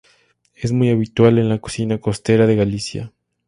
Es muy habitual en la cocina costera de Galicia.